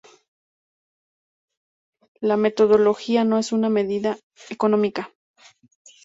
La metodología no es una medida económica.